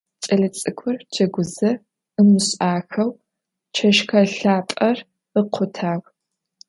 Ç'elets'ık'ur ceguze, ımış'axeu çeşşke lhap'er ıkhutağ.